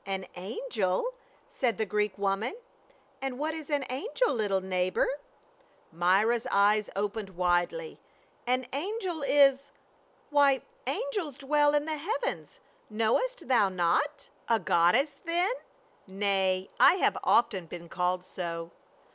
"An angel?" said the Greek woman, "And what is an angel, little neighbor?" Myra's eyes opened widely, "An angel is — Why, angels dwell in the heavens, knowest thou not?" A FORBIDDEN VISIT. 79 "A goddess then ? Nay, I have often been called so."